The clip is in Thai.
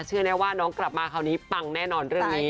แน่ว่าน้องกลับมาคราวนี้ปังแน่นอนเรื่องนี้